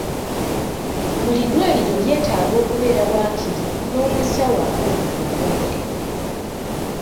Buli ddwaliro lyetaaga okubeera waakiri n'omusawo akola ku balwadde.